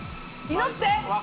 祈って！